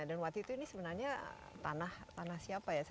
waktu itu ini sebenarnya tanah siapa ya